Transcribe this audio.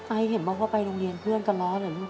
ไอเห็นบ้างว่าไปโรงเรียนเพื่อนก็ล้อเลยลูก